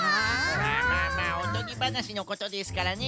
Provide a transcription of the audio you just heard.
まあまあまあおとぎばなしのことですからね。